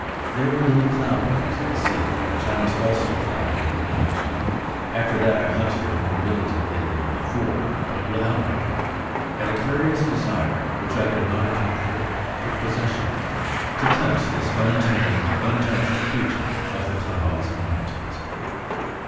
There were little Cloud Wings, it seemed, which I must also find and watch. After that I hunted him more diligently than before, but without my gun. And a curious desire, which I could not account for, took possession of me: to touch this untamed, untouched creature of the clouds and mountains.